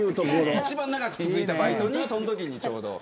一番長く続いたバイトにそのときにちょうど。